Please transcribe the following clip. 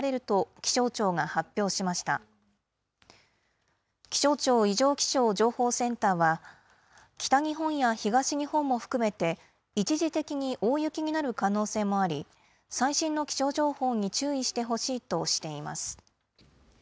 気象庁異常気象情報センターは、北日本や東日本も含めて、一時的に大雪になる可能性もあり、最新の気象情報に注意してほしいとしています。